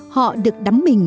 họ được đắm mình